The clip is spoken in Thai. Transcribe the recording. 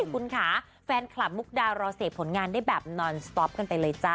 คุณค่ะแฟนคลับมุกดารอเสพผลงานได้แบบนอนสต๊อปกันไปเลยจ้